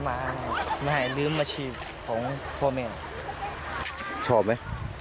ไม่ชอบค่ะ